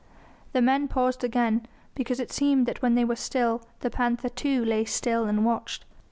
The men paused again, because it seemed that when they were still, the panther too lay still and watched.